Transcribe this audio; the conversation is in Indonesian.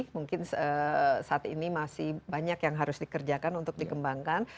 mungkin saat ini masih banyak yang harus dikerjakan untuk dikembangkan